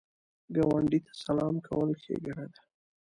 ګاونډي ته سلام کول ښېګڼه ده